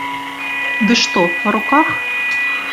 Ды што па руках?